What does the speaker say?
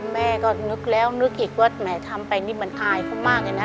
แม่ก็นึกแล้วนึกอีกว่าแหมทำไปนี่มันอายเขามากเลยนะ